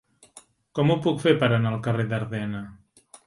Com ho puc fer per anar al carrer d'Ardena?